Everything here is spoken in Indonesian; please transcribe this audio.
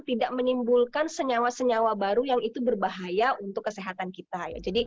tidak menimbulkan senyawa senyawa baru yang itu berbahaya untuk kesehatan kita jadi